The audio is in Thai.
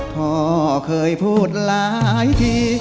พ่อเคยพูดหลายที